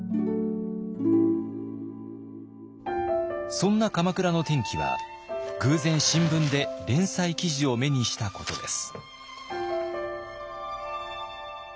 そんな鎌倉の転機は偶然新聞で連載記事を目にしたことです。